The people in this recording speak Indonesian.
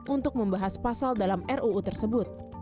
untuk membahas pasal dalam ruu tersebut